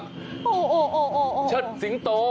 โอ้โฮชดสิงโต